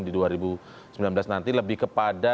di dua ribu sembilan belas nanti lebih kepada